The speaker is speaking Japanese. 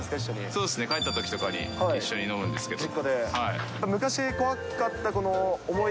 そうですね、帰ったときとかに一緒に飲むんですけど。